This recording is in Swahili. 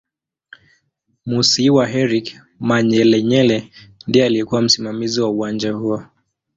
Musiiwa Eric Manyelenyele ndiye aliyekuw msimamizi wa uwanja huo